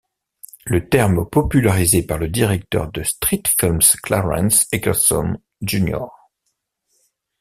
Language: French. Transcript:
Le terme popularisé par le directeur de Streetfilms Clarence Eckerson, Jr.